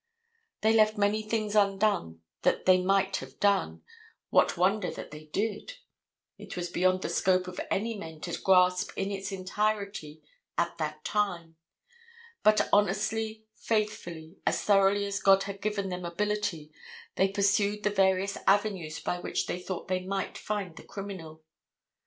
They left many things undone that they might have done; what wonder that they did? It was beyond the scope of any men to grasp in its entirety at that time. But honestly, faithfully, as thoroughly as God had given them ability, they pursued the various avenues by which they thought they might find the criminal.